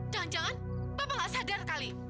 jangan jangan bapak nggak sadar kali